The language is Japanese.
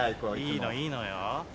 いいのいいのよ。